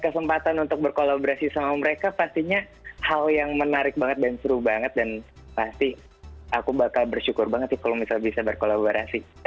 kesempatan untuk berkolaborasi sama mereka pastinya hal yang menarik banget dan seru banget dan pasti aku bakal bersyukur banget sih kalau misalnya bisa berkolaborasi